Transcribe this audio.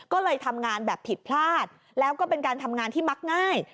ก็เลยทำงานแบบผิดพลาดแล้วก็เป็นการทำงานที่มักง่าย